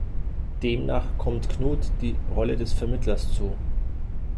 Demnach kommt Knut die Rolle des Vermittlers zu.